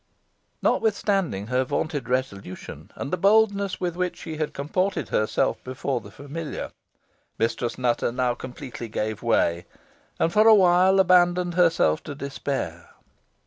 Notwithstanding her vaunted resolution, and the boldness with which she had comported herself before the familiar, Mistress Nutter now completely gave way, and for awhile abandoned herself to despair.